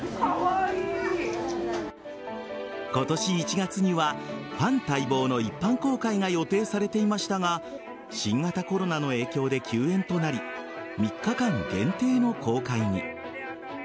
今年１月にはファン待望の一般公開が予定されていましたが新型コロナの影響で休園となり３日間限定の公開に。